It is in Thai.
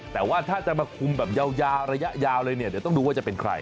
แต่ว่าถ้าจะมาคุมแบบยาวระยะยาวเลยเนี่ยเดี๋ยวต้องดูว่าจะเป็นใคร